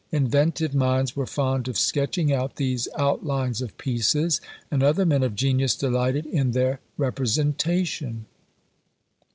Inventive minds were fond of sketching out these outlines of pieces, and other men of genius delighted in their representation.